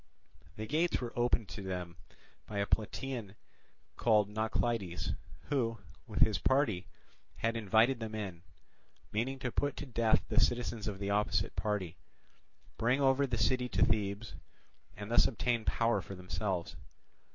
The gates were opened to them by a Plataean called Naucleides, who, with his party, had invited them in, meaning to put to death the citizens of the opposite party, bring over the city to Thebes, and thus obtain power for themselves.